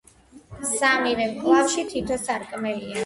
სამივე მკლავში თითო სარკმელია.